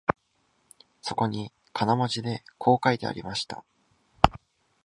そこに金文字でこう書いてありました